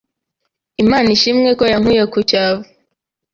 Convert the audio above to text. Imana ishimwe ko yankuye ku cyavu